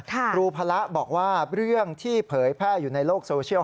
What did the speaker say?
ครูพระบอกว่าเรื่องที่เผยแพร่อยู่ในโลกโซเชียล